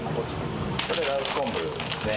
これは羅臼昆布ですね。